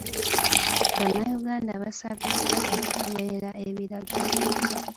Bannayuganda baasabiddwa okugoberera ebiragiro.